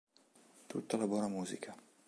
Tutta la buona musica.